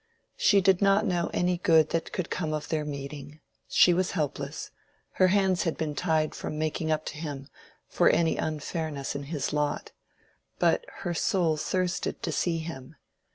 She did not know any good that could come of their meeting: she was helpless; her hands had been tied from making up to him for any unfairness in his lot. But her soul thirsted to see him.